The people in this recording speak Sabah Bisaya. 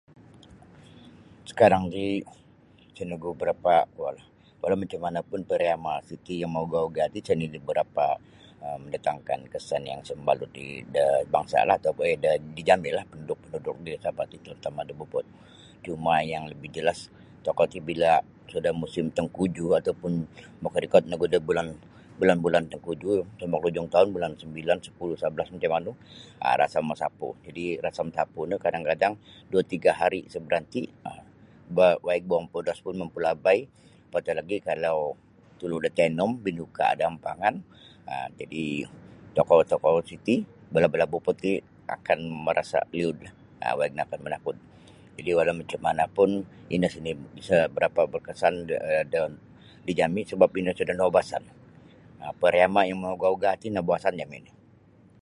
Sakarang ti isa nogu barapa' kuolah walau macam manapun pariama' titi yang maugah ugah ti sa' nini barapa' um mandatangkan kesan yang sa mabalut di da bangsalah atau di jami'lah penduduk-penduduk di Sabah ti tarutama' da Beaufort cuma' yang lebih jelas tokou ti bila musim sudah tangkujuh atau pun makarikot nogu da bulan bulan-bulan tangkujuh mosomok da ujung toun bulan sambilan sapuluh sabelas macam manu um rasam masapu jadi' rasam sapu no kadang-kadang dua tiga' ari isa baranti ba waig bowong podos pun mampulabai apatah lagi' tulu' da Tenom binuka' do ampangan um jadi' tokou-tokou siti balah-balah Beaufort ti akan marasa' liudlah um waig no akan manakud jadi' walau macam mana pun ino sa' ni' sa' barapa' berkesan da di jami' sabap ino sudah naubasan um pariama' yang maugah-ugah ti naubasan jami'.